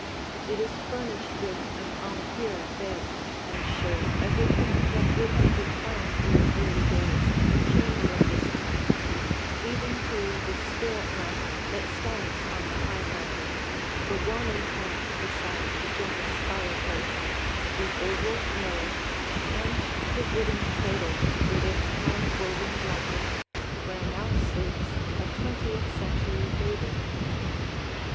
It is furnished with an Empire bed and shows everything that would have been found in the early days in a chamber of this kind, even to the spirit lamp that stands on the high mantel, the warming pan beside the generous fireplace, the oval mirror, and the wooden cradle with its hand woven blanket, where now sleeps a twentieth century baby.